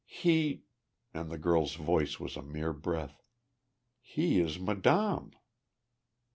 "He" and the girl's voice was a mere breath "he is madame!"